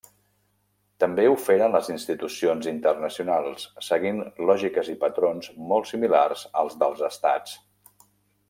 També ho feren les institucions internacionals, seguint lògiques i patrons molt similars als dels Estats.